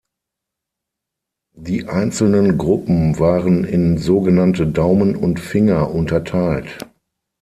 Die einzelnen Gruppen waren in so genannte Daumen und Finger unterteilt.